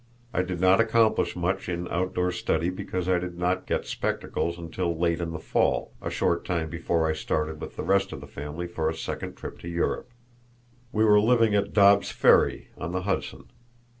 I did not accomplish much in outdoor study because I did not get spectacles until late in the fall, a short time before I started with the rest of the family for a second trip to Europe. We were living at Dobbs Ferry, on the Hudson.